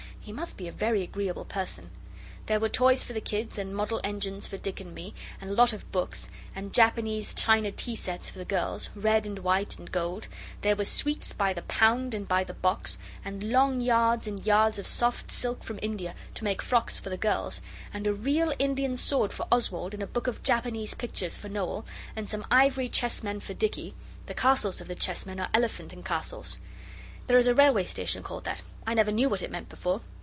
He must be a very agreeable person. There were toys for the kids and model engines for Dick and me, and a lot of books, and Japanese china tea sets for the girls, red and white and gold there were sweets by the pound and by the box and long yards and yards of soft silk from India, to make frocks for the girls and a real Indian sword for Oswald and a book of Japanese pictures for Noel, and some ivory chess men for Dicky: the castles of the chessmen are elephant and castles. There is a railway station called that; I never knew what it meant before.